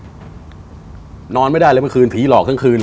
หนอนไม่ได้เลยมันคืนผีหลอกทั้งคืนนะ